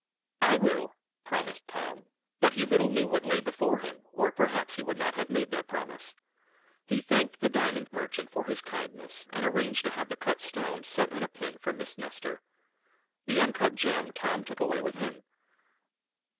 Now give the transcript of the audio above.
"I will," promised Tom, but he little knew what lay before him, or perhaps he would not have made that promise. He thanked the diamond merchant for his kindness, and arranged to have the cut stone set in a pin for Miss Nestor. The uncut gem Tom took away with him.